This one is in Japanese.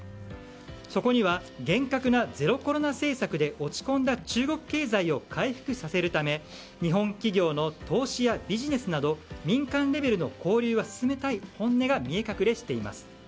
そこには厳格なゼロコロナ政策で落ち込んだ中国経済を回復させるため日本企業の投資やビジネスなど民間レベルの交流を進めたい本音が見え隠れしています。